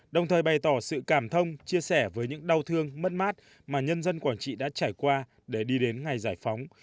đồng thời bày tỏ sự cảm thông chia sẻ với những đau thương mất mát mà nhân dân quảng trị đã trải qua để đi đến ngày giải phóng